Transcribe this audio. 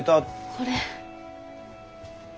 これ。